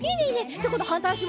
じゃあこんどはんたいあしも。